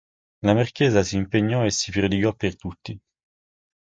La marchesa si impegnò e si prodigò per tutti.